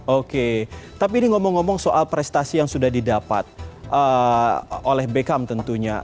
oke tapi ini ngomong ngomong soal prestasi yang sudah didapat oleh beckham tentunya